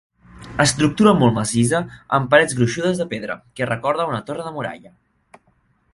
Estructura molt massissa, amb parets gruixudes de pedra, que recorda una torre de muralla.